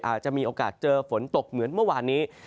อาจจะมีโอกาสเจอฝนตกเหมือนเมื่อวานนี้